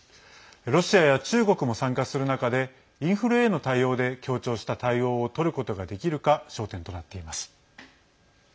ロシアや中国も参加する中でインフレへの対応で協調した対応をとることができるか焦点となっています。